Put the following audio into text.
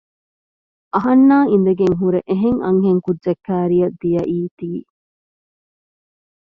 އަހަންނާ އިނދެގެންހުރެ އެހެން އަންހެން ކުއްޖެއް ކައިރިއަށް ދިޔައީތީ